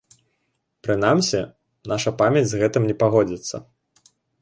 Прынамсі, наша памяць з гэтым не пагодзіцца.